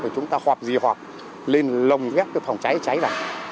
chúng ta họp gì họp lên lồng ghét phòng cháy cháy vào